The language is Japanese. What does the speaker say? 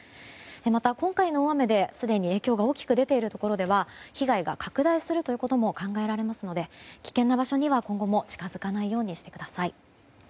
また、今回の大雨ですでに影響が大きく出ているところでは被害が拡大するということも考えられますので危険な場所には今後も近づかないようにしてください。